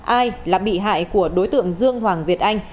ai là bị hại của đối tượng dương hoàng việt anh